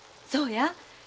そうや。